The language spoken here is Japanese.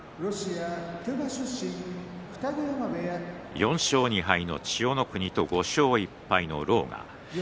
４勝２敗の千代の国と５勝１敗の狼雅。